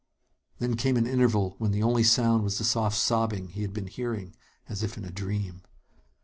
Then came an interval when the only sound was the soft sobbing he had been hearing as if in a dream.